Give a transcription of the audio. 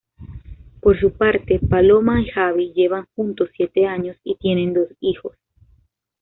Por su parte, Paloma y Javi llevan juntos siete años y tienen dos hijos.